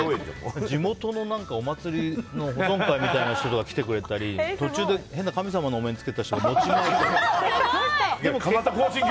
地元のお祭りの保存会みたいな人が来てくれたり途中で変な神様のお面つけた人が餅を配って。